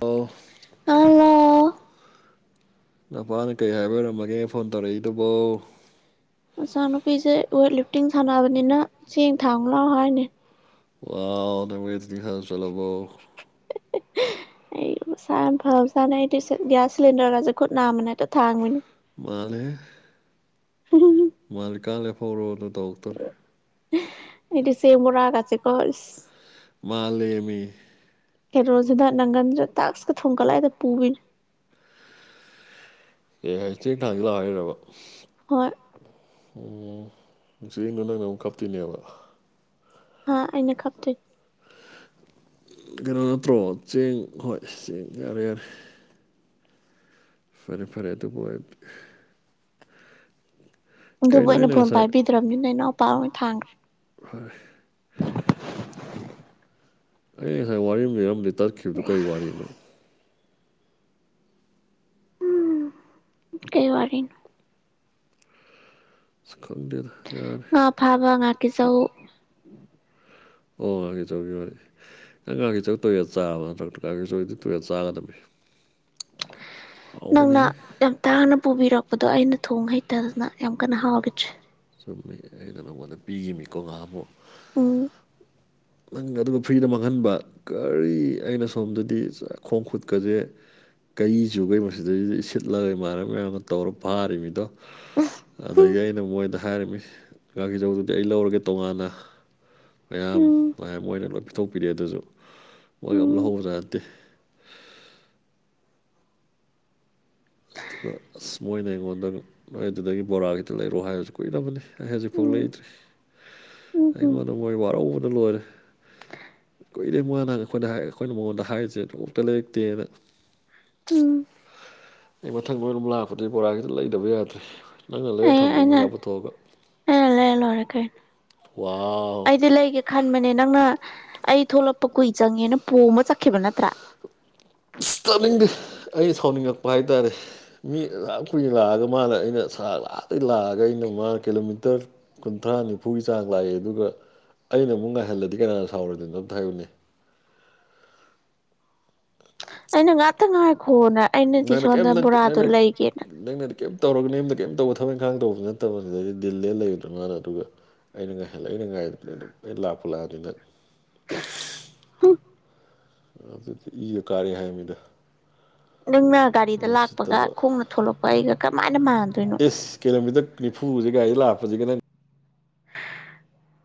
ꯑꯣ ꯍꯜꯂꯣ ꯅꯨꯄꯥꯅ ꯀꯩ ꯍꯥꯏꯕ ꯑꯣꯏꯔꯝꯃꯒꯦ ꯐꯣꯟ ꯇꯧꯔꯛꯏꯗꯨꯕꯣ ꯃꯆꯥꯅꯨꯄꯤꯁꯦ ꯋꯦꯠ ꯂꯤꯐꯇꯤꯡ ꯁꯥꯟꯅꯕꯅꯤꯅ ꯆꯦꯡ ꯊꯥꯡꯉꯨ ꯂꯥꯎ ꯍꯥꯏꯅꯤ ꯋꯥꯎ ꯅꯪ ꯋꯦꯠꯂꯤꯞꯇꯤꯡ ꯁꯥꯟꯅꯕ ꯆꯠꯂꯕꯣ ꯑꯩ ꯃꯁꯥ ꯌꯥꯝ ꯐꯕ ꯖꯥꯅꯤ ꯑꯩꯗꯤ ꯁꯤ ꯒ꯭ꯌꯥꯁ ꯁꯤꯂꯤꯟꯗꯔꯒꯥꯖꯦ ꯈꯨꯠ ꯅꯥꯝꯃꯅ ꯍꯦꯛꯇ ꯊꯥꯥꯡꯕꯤꯅꯤ ꯃꯥꯜꯂꯦꯍꯦ ꯃꯥꯜꯂꯤꯀꯥꯟ ꯂꯦꯞꯐꯧꯔꯣꯗꯣ ꯇꯧꯇꯣꯔꯦ ꯑꯩꯗꯤ ꯆꯦꯡ ꯕꯣꯔꯥ ꯒꯥꯁꯦꯀꯣ ꯏꯁ ꯃꯥꯜꯂꯦꯃꯤ ꯀꯩꯔꯣꯖꯤꯗ ꯅꯪꯒꯟꯖꯤꯗ ꯇꯥꯛꯁꯀ ꯊꯣꯡꯒꯠꯂ ꯍꯦꯛꯇ ꯄꯨꯕꯤꯅꯤ ꯑꯦ ꯍꯥꯏ ꯆꯦꯡ ꯊꯥꯡꯖꯤ ꯂꯥꯎ ꯍꯥꯏꯔꯩꯔꯥꯕ ꯍꯣꯏ ꯎꯝ ꯅꯨꯡꯁꯤꯖꯤꯡꯗꯣ ꯅꯪꯅꯃꯨꯛ ꯈꯞꯇꯣꯏꯅꯦꯕ ꯍꯥꯥ ꯑꯩꯅ ꯈꯞꯇ꯭ꯔꯤ ꯀꯩꯅꯣ ꯅꯠꯇ꯭ꯔꯣ ꯆꯦꯡ ꯍꯣꯏ ꯆꯦꯡ ꯌꯥꯔꯦ ꯌꯥꯔꯦ ꯐꯔꯦ ꯐꯔꯦ ꯑꯗꯨꯕꯨ ꯑꯣꯏꯔꯗꯤ ꯑꯗꯨꯕꯨ ꯀꯩꯅꯣ ꯑꯩꯅ ꯐꯣꯟ ꯉꯁꯥꯏ ꯄꯥꯏꯕꯤꯗ꯭ꯔꯕꯅꯤꯅ ꯏꯅꯥꯎꯄꯥ ꯑꯣꯏꯅ ꯊꯥꯡꯒ꯭ꯔꯦ ꯍꯣꯏ ꯑꯩ ꯉꯁꯥꯏ ꯋꯥꯔꯤ ꯑꯃ ꯂꯩꯔꯝꯕꯗꯒꯤ ꯇꯠꯈꯤꯕꯗꯨ ꯀꯔꯤ ꯋꯥꯔꯤꯅꯣ ꯀꯩ ꯋꯥꯔꯤꯅꯣ ꯑꯁ ꯈꯪꯗꯦꯗ ꯌꯥꯔꯦ ꯉꯥ ꯐꯥꯕ ꯉꯥꯛꯀꯤ ꯆꯧ ꯑꯣꯉꯥꯛꯀꯤꯆꯧꯒꯤ ꯋꯥꯔꯤ ꯅꯪ ꯉꯥꯛꯀꯤꯆꯧ ꯇꯣꯏꯑꯣꯠ ꯆꯥꯔꯕ ꯅꯠꯇ꯭ꯔꯣ ꯉꯥꯀꯤꯆꯧꯗꯤ ꯇꯣꯏꯑꯣꯠ ꯆꯥꯒꯗꯕꯅꯤ ꯅꯪꯅ ꯍꯥꯎꯕꯅꯤ ꯌꯥꯝ ꯇꯥꯡꯅ ꯄꯨꯕꯤꯔꯛꯄꯗꯣ ꯑꯩꯅ ꯊꯣꯡ ꯍꯩꯇꯗꯅ ꯌꯥꯝ ꯀꯟꯅ ꯍꯥꯎꯒꯤꯗ꯭ꯔꯦ ꯁꯨꯝ ꯑꯩ ꯑꯩ ꯑꯩꯅ ꯅꯉꯣꯟꯗ ꯄꯤꯒꯤꯃꯤꯀꯣ ꯉꯍꯥꯟꯃꯨꯛ ꯎꯝ ꯅꯪꯅ ꯑꯗꯨꯝꯕ ꯐ꯭ꯔꯤꯗ ꯃꯥꯡꯍꯟꯕ ꯀꯔꯤ ꯑꯩꯅ ꯁꯣꯝꯗꯗꯤ ꯆꯥ ꯈꯣꯡ ꯈꯨꯠꯀꯖꯦ ꯀꯩꯏ ꯆꯨꯒꯩ ꯃꯁꯤꯗꯩꯖꯤꯗ ꯏꯁꯤꯠꯂꯒ ꯏꯃꯥꯟꯅ ꯃꯌꯥꯝꯒ ꯇꯧꯔ ꯐꯥꯔꯤꯃꯤꯗꯣ ꯍꯨꯝ ꯑꯗꯒꯤ ꯑꯩꯅ ꯃꯣꯏꯗ ꯍꯥꯏꯔꯤꯃꯤ ꯉꯥꯒꯤꯖꯧꯗꯨꯗꯤ ꯑꯩ ꯂꯧꯔꯒꯦ ꯇꯣꯉꯥꯟꯅ ꯃꯌꯥꯝ ꯎꯝ ꯃꯌꯥꯝ ꯃꯣꯏꯅ ꯂꯣꯏ ꯄꯤꯊꯣꯛꯄꯤꯔꯛꯑꯦ ꯑꯗꯨꯖꯨ ꯃꯣꯏꯒ ꯑꯃ ꯎꯝ ꯂꯧꯍꯧꯕꯖꯥꯠ ꯅꯠꯇꯦ ꯑꯗꯨꯒ ꯑꯁ ꯃꯣꯏꯅ ꯑꯩꯉꯣꯟꯗ ꯅꯣꯏ ꯑꯗꯨꯗꯒꯤ ꯕꯣꯔꯥꯈꯤꯇ ꯂꯩꯔꯛꯑꯣ ꯍꯥꯏꯕꯖꯨ ꯀꯨꯏꯔꯕꯅꯤ ꯑꯩ ꯍꯧꯖꯤꯛꯐꯥꯎ ꯎꯝ ꯂꯩꯗ꯭ꯔꯤ ꯎꯝ ꯎꯝ ꯑꯩꯉꯣꯟꯗ ꯃꯣꯏ ꯋꯥꯔꯧꯕꯅ ꯂꯣꯏꯔꯦ ꯀꯨꯏꯔꯦ ꯃꯣꯏ ꯅꯍ ꯑꯩꯈꯣꯏꯅ ꯍꯥꯏ ꯑꯩꯈꯣꯏꯅ ꯃꯉꯣꯟꯗ ꯍꯥꯏꯔꯤꯁꯦ ꯀꯇ ꯂꯩꯔꯛꯇꯦꯅ ꯎꯝ ꯑꯩ ꯃꯊꯪ ꯃꯔꯣꯟ ꯑꯃꯨꯛ ꯂꯥꯛꯄꯗꯗꯤ ꯕꯣꯔꯥꯁꯤꯗ ꯂꯩꯇꯕ ꯌꯥꯗ꯭ꯔꯦ ꯅꯪꯅ ꯂꯩꯔ ꯊꯝꯃꯣ ꯄꯩꯁꯥ ꯄꯨꯊꯣꯛꯑꯒ ꯂꯣꯏꯔꯈꯦ ꯋꯥꯎ ꯑꯩꯗꯤ ꯂꯩꯒꯦ ꯈꯟꯕꯅꯦ ꯅꯪꯅ ꯑꯩ ꯊꯣꯛꯂꯛꯄ ꯀꯨꯏ ꯆꯪꯉꯦꯅ ꯄꯣꯃ ꯆꯠꯈꯤꯕ ꯅꯠꯇ꯭ꯔꯥ ꯏꯁꯇꯥꯔꯅꯤꯡꯗ ꯑꯩꯅ ꯁꯥꯎꯅꯤꯡꯉꯛꯄ ꯍꯥꯏꯇꯥꯔꯦ ꯃꯤ ꯌꯥꯝ ꯀꯨꯏꯅ ꯂꯥꯛꯑꯒ ꯃꯥꯅ ꯑꯩꯅꯔ ꯂꯥꯛꯩ ꯂꯥꯛꯑꯒ ꯑꯩꯅ ꯃꯥꯅ ꯀꯤꯂꯣꯃꯤꯇꯔ ꯀꯨꯟꯊ꯭ꯔꯥ ꯅꯤꯐꯨꯒꯤ ꯆꯥꯡ ꯂꯥꯛꯑꯦ ꯑꯗꯨꯒ ꯑꯩꯅ ꯑꯃꯨꯛ ꯉꯥꯏꯍꯜꯂꯗꯤ ꯀꯅꯥꯅ ꯁꯥꯎꯔꯗꯅꯣ ꯑꯝꯇ ꯍꯥꯏꯌꯨꯅꯦ ꯑꯩꯅ ꯉꯥꯛꯇ ꯉꯥꯏꯈꯣꯅ ꯑꯩꯅꯗꯤ ꯅꯪꯅ ꯁꯣꯝꯗꯅ ꯕꯣꯔꯥꯗꯣ ꯂꯩꯒꯦꯅ ꯀꯩꯝꯇ ꯇꯧꯔꯒ ꯅ ꯑꯦꯝꯗ ꯀꯩꯝ ꯇꯧꯕ ꯊꯕꯛ ꯏꯪꯈꯥꯡ ꯇꯧꯕꯁꯤ ꯅꯠꯇꯕꯅꯤꯗꯗꯤ ꯗꯤꯜꯂꯦ ꯂꯩꯕꯗ꯭ꯔꯣ ꯃꯥꯅ ꯑꯗꯨꯒ ꯑꯩꯅ ꯉꯥꯏꯍꯜꯂ ꯑꯩꯅ ꯉꯥꯏꯕꯅꯤ ꯑꯗꯨꯝ ꯑꯩ ꯂꯥꯞꯄꯨ ꯂꯥꯛꯑꯅꯤ ꯅꯪ ꯎ ꯑꯗꯤ ꯏꯒ ꯀꯥꯔꯛꯑꯦ ꯍꯥꯏꯕꯅꯤꯗ ꯅꯪꯅ ꯒꯥꯔꯤꯗ ꯂꯥꯛꯄꯒ ꯈꯣꯡꯅ ꯊꯣꯂꯛꯄ ꯑꯩꯒ ꯀꯃꯥꯏꯅ ꯃꯥꯟꯗꯣꯏꯅꯣ ꯏꯁ ꯀꯤꯂꯣꯃꯤꯇꯔ ꯅꯤꯐꯨꯁꯤ ꯒꯔꯤꯗ ꯂꯥꯛꯄꯁꯤꯒ ꯅꯪ [inaudible]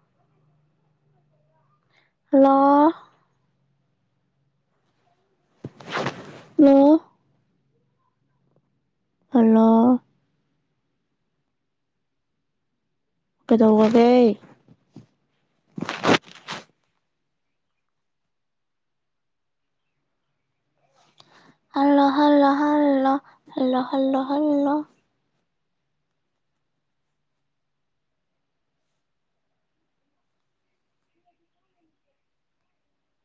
ꯍꯂꯣ ꯂꯣ ꯍꯜꯂꯣ ꯀꯩꯗꯧꯅꯦꯦ ꯑꯜꯥ ꯑꯥ